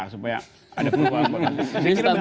supaya ada peluang